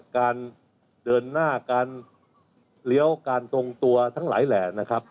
การเดินหน้าการเลี้ยวการทรงตัวทั้งหลายแหล่นะครับ